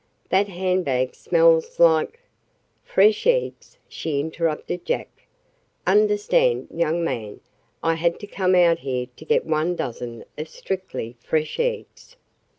"That hand bag smells like " "Fresh eggs," she interrupted Jack. "Understand, young man, I had to come out here to get one dozen of strictly fresh eggs."